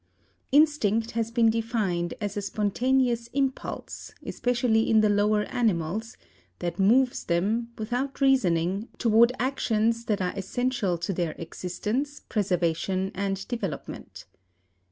Instinct has been defined as a spontaneous impulse, especially in the lower animals—that moves them, without reasoning, toward actions that are essential to their existence, preservation and development.